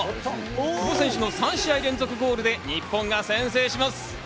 久保選手の３試合連続ゴールで日本が先制します。